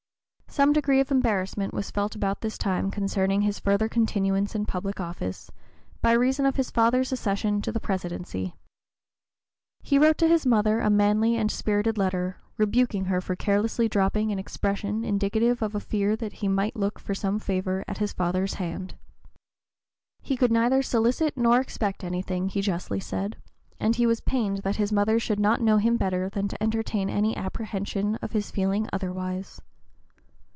Some degree of embarrassment was felt about this time concerning his further continuance in public office, by reason of his father's accession to the Presidency. He wrote to his mother a manly and spirited letter, rebuking her for carelessly dropping an expression indicative of a fear that he might look for some favor at his father's hands. He could neither solicit nor expect anything, he justly said, and he was pained that his mother should not know him better than to entertain any apprehension of his feeling otherwise.